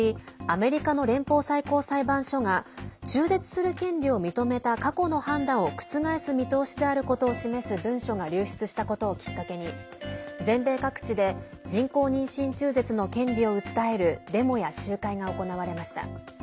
アメリカの連邦最高裁判所が中絶する権利を認めた過去の判断を覆す見通しであることを示す文書が流出したことをきっかけに全米各地で人工妊娠中絶の権利を訴えるデモや集会が行われました。